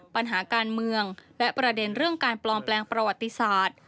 ปัญหาการเมืองและประเด็นเรื่องการปลอมแปลงประวัติศาสตร์